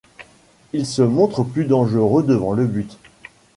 Il se montre plus dangereux devant le but.